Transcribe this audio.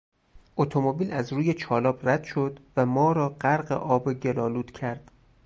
اتومبیل از روی چالاب رد شد و ما را غرق آب گل آلود کرد.